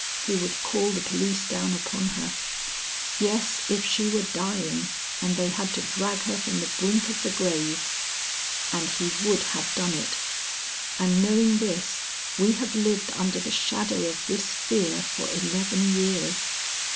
he would call the police down upon her. Yes, if she were dying, and they had to drag her from the brink of the grave. And he would have done it; and knowing this, we have lived under the shadow of this fear for eleven years.